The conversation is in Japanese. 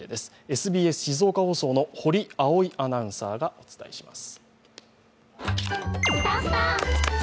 ＳＢＳ静岡放送の堀葵衣アナウンサーがお伝えします。